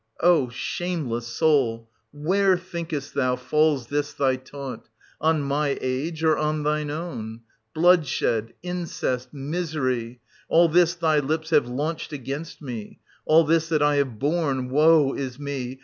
O shameless soul, where, thinkest thou, falls this thy taunt, — on my age, or on thine own ? Blood shed — incest — misery — all this thy lips have launched against me, — all this that I have borne, woe is me